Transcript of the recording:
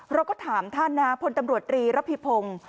เราก็ถามท่านนะพลตำรวจตรีระภิพงศ์